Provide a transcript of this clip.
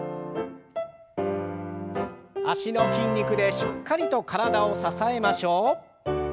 脚の筋肉でしっかりと体を支えましょう。